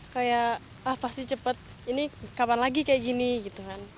kayak ah pasti cepat ini kapan lagi kayak gini gitu kan